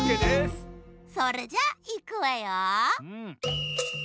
それじゃいくわよ。